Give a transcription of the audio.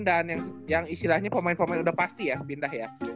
yang istilahnya pemain pemain udah pasti ya pindah ya